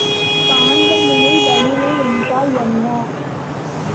காந்தமுனை வலிமை என்றால் என்ன?